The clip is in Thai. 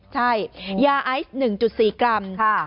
ใช่ยาไอซ์๑๔กรัม